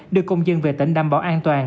đưa công dân về tỉnh đảm bảo an toàn